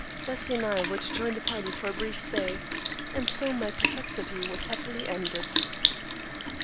Bessie and I were to join the party for a brief stay, and so my perplexity was happily ended.